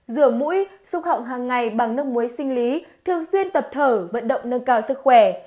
rửa mũi xúc họng hàng ngày bằng nước muối sinh lý thường xuyên tập thở vận động nâng cao sức khỏe